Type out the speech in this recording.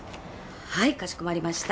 はいかしこまりました。